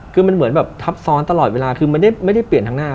คือมันเหมือนแบบทับซ้อนตลอดเวลาคือมันไม่ได้เปลี่ยนทางหน้า